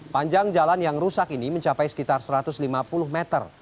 panjang jalan yang rusak ini mencapai sekitar satu ratus lima puluh meter